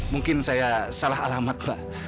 mungkin saya salah alamat lah